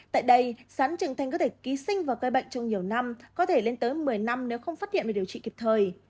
tại đây sán trưởng thành có thể ký sinh và gây bệnh trong nhiều năm có thể lên tới một mươi năm nếu không phát hiện và điều trị kịp thời